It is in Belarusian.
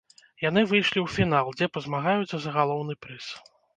Яны выйшлі ў фінал, дзе пазмагаюцца за галоўны прыз.